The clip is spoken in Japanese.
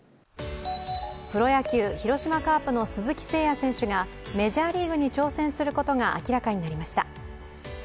プロ野球、広島カープの鈴木誠也選手がメジャーリーグに挑戦することが明らかになりました。